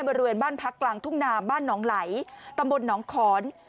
บริเวณบ้านพักกลางทุ่งนาบ้านหนองไหลตำบลหนองขอน